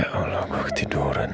ya allah gua ketiduran